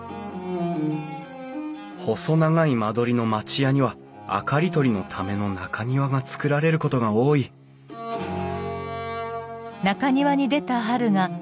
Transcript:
細長い間取りの町家には明かり取りのための中庭が造られることが多いあ？